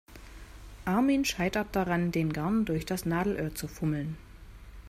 Armin scheitert daran, den Garn durch das Nadelöhr zu fummeln.